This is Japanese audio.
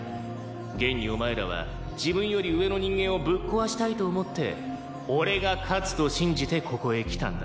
「現にお前らは自分より上の人間をぶっ壊したいと思って“俺が勝つ”と信じてここへ来たんだろ？」